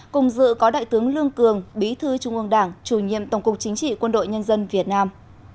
cùng dự có đại tướng lương cường bí thư trung ương đảng chủ nhiệm tổng cục chính trị quân đội nhân dân việt nam